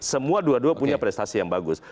semua dua dua punya prestasi yang bagus